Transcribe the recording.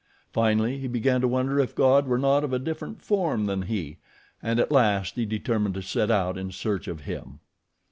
Finally he began to wonder if God were not of a different form than he, and at last he determined to set out in search of Him.